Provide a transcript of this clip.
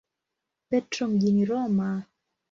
Petro mjini Roma.